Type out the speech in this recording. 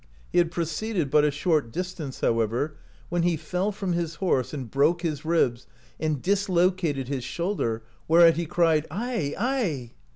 He had proceeded but a short distance* however, when he fell from his horse and broke his ribs and dislocated his shoulder, wliereat he cried, "Ai, ai!"